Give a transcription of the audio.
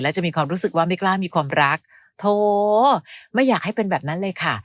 จะมีความรู้สึกว่าไม่กล้ามีความรักโถไม่อยากให้เป็นแบบนั้นเลยค่ะ